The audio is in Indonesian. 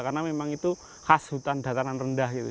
karena memang itu khas hutan dataran rendah gitu